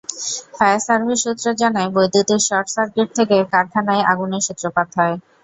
Fire service সূত্র জানায়, বৈদ্যুতিক শর্টসার্কিট থেকে কারখানায় আগুনের সূত্রপাত হয়।